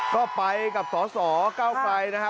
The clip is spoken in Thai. ก็ไปกับศศก้าวไกรนะฮะ